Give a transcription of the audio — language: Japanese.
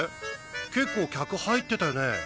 結構客入ってたよね？